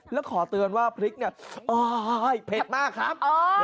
แล้วขอเตือนว่าพริกเนี่ยโอ๊ยเผ็ดมากครับ